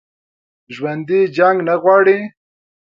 ژوندي جنګ نه غواړي